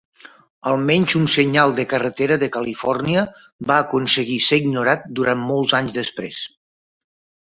Al menys un senyal de carretera de Califòrnia va aconseguir ser ignorat durant molts anys després.